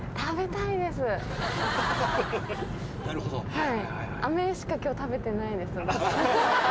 はい。